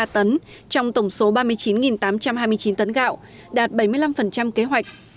trong tổng số ba mươi chín tám trăm hai mươi chín tấn gạo đạt bảy mươi năm kế hoạch